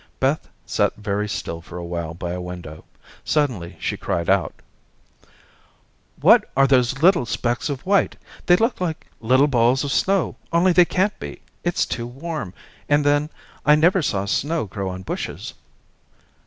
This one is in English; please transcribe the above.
Beth sat very still for a while by a window. Suddenly, she cried out: "What are those little specks of white? They look like little balls of snow, only they can't be. It's too warm, and then I never saw snow grow on bushes."